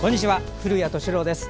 古谷敏郎です。